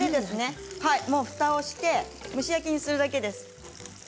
ふたをして蒸し焼きにするだけです。